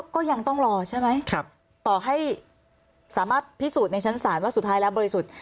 ก็ยังต้องรอใช่ไหมต่อให้สามารถพิสูจน์ในชั้นศาลว่าสุดท้ายแล้วบริสุทธิ์